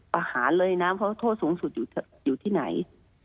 ประหารเลยนะเพราะโทษสูงสุดอยู่ที่ไหน